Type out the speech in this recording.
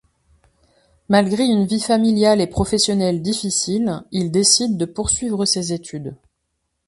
Malgré une vie familiale et professionnelle difficile, il décide de poursuivre ses études.